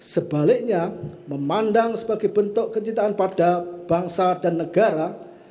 sebaliknya memandang sebagai bentuk kecintaan pada bangsa dan negara